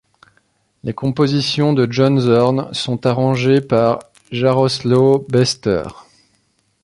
Les compositions de John Zorn sont arrangées par Jarosław Bester.